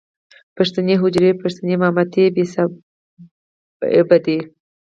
پښتنې حجرې، پښتنې مامتې بې صاحبه دي.